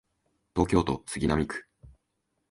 東京都杉並区